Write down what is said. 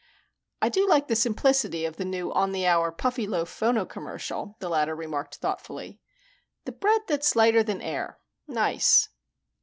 "I do like the simplicity of the new on the hour Puffyloaf phono commercial," the latter remarked thoughtfully. "The Bread That's Lighter Than Air. Nice."